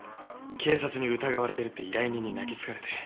警察に疑われてるって依頼人に泣きつかれて。